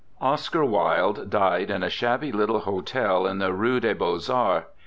Oscar Wilde died in a shabby little hotel in the Rue des Beaux Arts.